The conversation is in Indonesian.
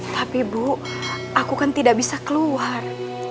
tapi bu aku kan tidak bisa keluar